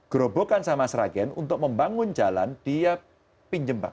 gerobokan sama seragam untuk membangun jalan dia pinjem bank